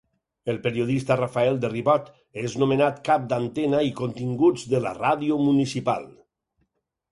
El periodista Rafael de Ribot és nomenat cap d’Antena i Continguts de la ràdio municipal.